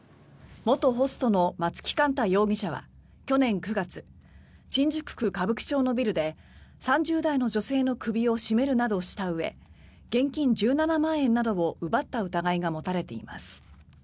元ホストの松木幹太容疑者は去年９月新宿区歌舞伎町のビルで３０代の女性の首を絞めるなどしたうえ現金１７万円などを奪った疑いが持たれています。